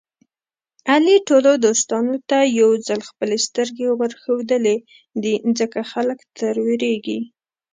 علي ټولو دوستانو ته یوځل خپلې سترګې ورښودلې دي. ځکه خلک تر وېرېږي.